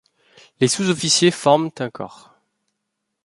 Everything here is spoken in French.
Les sous-officiers forment un corps.